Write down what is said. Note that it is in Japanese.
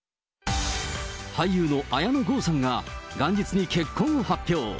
俳優の綾野剛さんが、元日に結婚を発表。